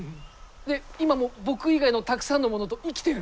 今も僕以外のたくさんのものと生きてる。